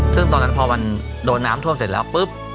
ซึ่งตอนนั้นพอมันโดนน้ำท่วมเสร็จแล้วปุ๊บ